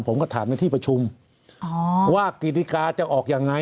ผมก็ถามในที่ประชุมว่ากิติกาจะออกยังไง